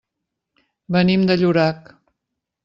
Venim de Llorac.